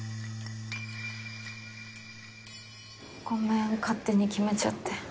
ごめん勝手に決めちゃって。